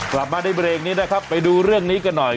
กลับมาได้เปรกนี้ไปดูเรื่องนี้กันหน่อย